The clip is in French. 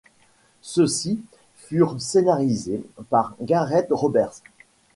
Ceux-ci furent scénarisés par Gareth Roberts.